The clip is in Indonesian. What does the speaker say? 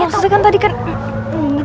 maksudnya kan tadi kan